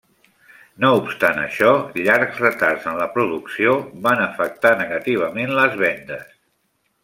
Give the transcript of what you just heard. No obstant això, llargs retards en la producció afectar negativament les vendes.